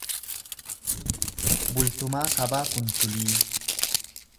Bultumaa Kabaa Kunchulii